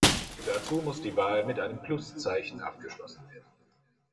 Dazu muss die Wahl mit einem Pluszeichen abgeschlossen werden.